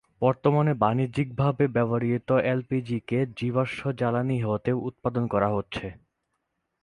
বর্তমানে বাণিজ্যিক ভাবে ব্যবহৃত এল পি জি কে জীবাশ্ম জ্বালানী হতে উৎপাদন করা হচ্ছে।